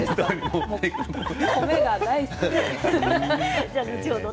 米は大好きです。